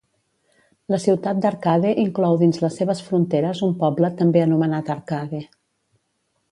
La ciutat d'Arcade inclou dins les seves fronteres un poble també anomenat Arcade.